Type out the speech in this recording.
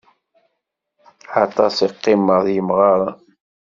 Aṭas i qqimeɣ d yemɣaren.